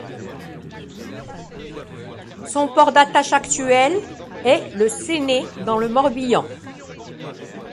Son port d'attache actuel est le Séné dans le Morbihan.